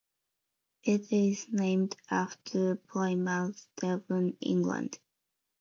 It is named after Plymouth, Devon, England.